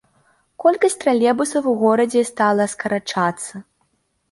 Колькасць тралейбусаў у горадзе стала скарачацца.